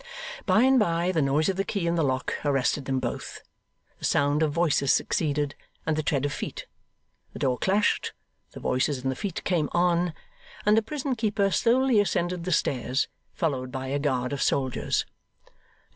By and by the noise of the key in the lock arrested them both. The sound of voices succeeded, and the tread of feet. The door clashed, the voices and the feet came on, and the prison keeper slowly ascended the stairs, followed by a guard of soldiers.